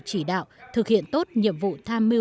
chỉ đạo thực hiện tốt nhiệm vụ tham mưu